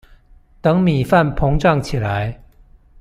等米飯膨脹起來